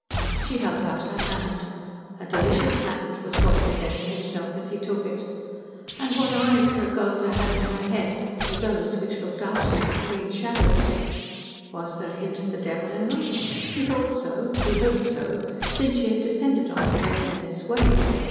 She held out her hand. "A delicious hand," was what he said to himself, as he took it. And what eyes for a girl to have in her head were those which looked out at him between shadows. Was there a hint of the devil in them? He thought so he hoped so, since she had descended on the place in this way.